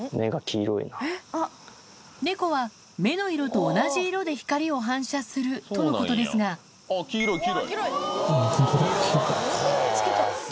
猫は目の色と同じ色で光を反射するとのことですがあっ黄色い黄色い！